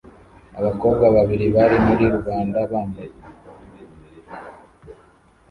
Abakobwa babiri bari muri rubanda bambaye